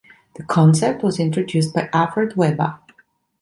The concept was introduced by Alfred Weber.